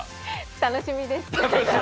楽しみです。